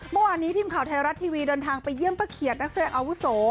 เมื่อวานนี้ทีมข่าวไทยรัฐทีวีเดินทางไปเยี่ยมป้าเขียดนักแสดงอาวุโส